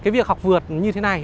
việc học vượt như thế này